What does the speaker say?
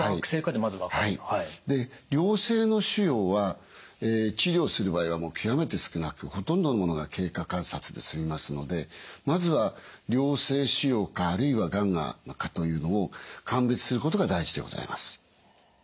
良性の腫瘍は治療する場合はもう極めて少なくほとんどのものが経過観察で済みますのでまずは良性腫瘍かあるいはがんかというのを鑑別することが大事でございます。